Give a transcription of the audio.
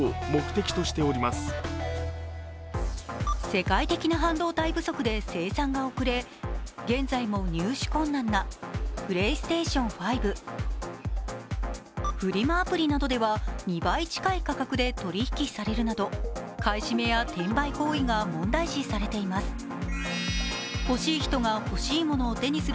世界的な半導体不足で生産が遅れて、現在も品薄のプレイステーション５フリマアプリなどでは、２倍近い価格で取引されるなど、買い占めや転売行為が問題視されています。